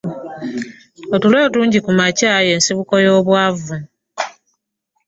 Otulo otungi kumakya y'ensibuko y'obwavu.